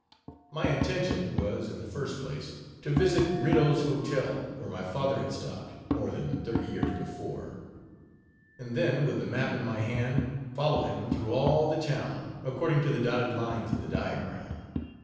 My intention was in the first place, to visit Riddough's Hotel, where my father had stopped, more than thirty years before: and then, with the map in my hand, follow him through all the town, according to the dotted lines in the diagram.